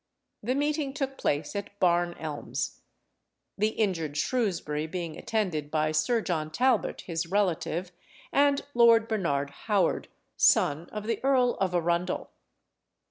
The meeting took place at Barn Elms; the injured Shrewsbury being attended by Sir John Talbot, his relative, and Lord Bernard Howard, son of the Earl of Arundel.